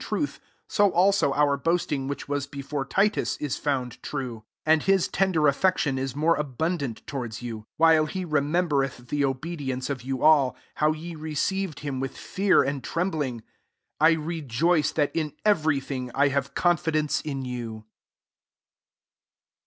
truth, so also our rtsting which wo* before Ti ll, is found true. 15 And his Rder affection is more abun nt towards you ; while he re pmbereth the Obedience of m all, how ye received him ith fear and trembling. 16 I ^joice that in every thing 1 rv'e confidence in you.